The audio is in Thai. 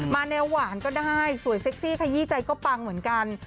แนวหวานก็ได้สวยเซ็กซี่ขยี้ใจก็ปังเหมือนกัน